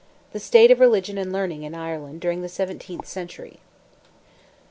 THE STATE OF RELIGION AND LEARNING IN IRELAND DURING THE SEVENTEENTH CENTURY.